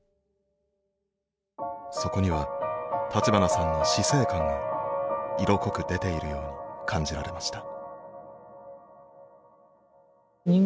そこには立花さんの死生観が色濃く出ているように感じられました。